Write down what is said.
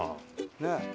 ねえ。